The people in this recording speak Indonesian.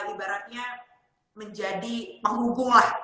ibaratnya menjadi penghubung lah